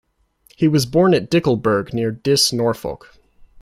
He was born at Dickleburgh, near Diss, Norfolk.